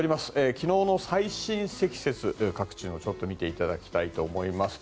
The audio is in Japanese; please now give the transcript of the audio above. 昨日の最深積雪各地のを見ていただきたいと思います。